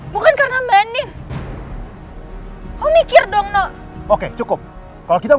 bukan karena mbak andien